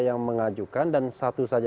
yang mengajukan dan satu saja